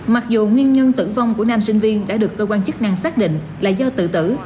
mặc dù nguyên nhân tử vong của nam sinh viên đã được cơ quan chức năng xác định là do tự tử